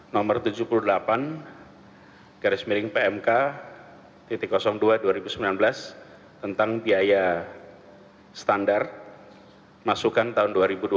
nomor tujuh puluh delapan garis miring pmk dua dua ribu sembilan belas tentang biaya standar masukan tahun dua ribu dua puluh